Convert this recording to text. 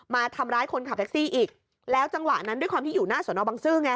มาทำร้ายคนขับแท็กซี่อีกแล้วจังหวะนั้นด้วยความที่อยู่หน้าสอนอบังซื้อไง